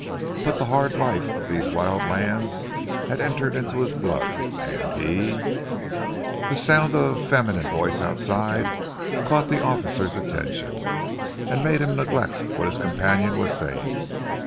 But the hard life of these wild lands had entered into his blood, and he " The sound of a feminine voice outside caught the officer's attention, and made him neglect what his companion was saying.